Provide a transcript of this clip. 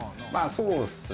そうですね